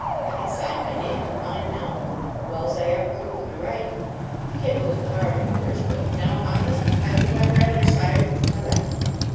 I can sign my name with mine now, well's I ever could with my right. It came a little hard at first, but now, honest, I believe I RATHER sign with my left.